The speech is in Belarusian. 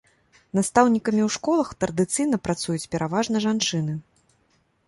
Настаўнікамі ў школах традыцыйна працуюць пераважны жанчыны.